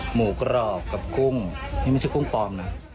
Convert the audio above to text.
หมูกรอบกับกุ้งนี่ไม่ใช่กุ้งปลอมนะ